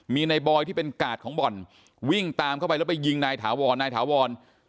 มีนายบอยที่เป็นกาดของบ่อนวิ่งตามเข้าไปแล้วไปยิงนายถาวรนายถาวร